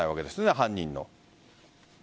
犯人の。